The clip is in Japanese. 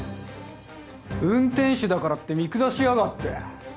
運転手だからって見下しやがって！